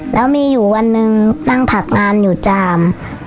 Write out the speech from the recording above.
แล้วมีอยู่วันหนึ่งนั่งถักงานอยู่จาม